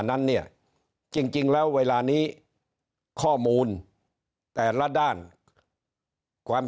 นั้นเนี่ยจริงแล้วเวลานี้ข้อมูลแต่ละด้านความ